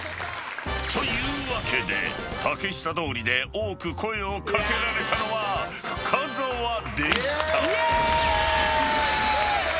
［というわけで竹下通りで多く声を掛けられたのは深澤でした］ということで。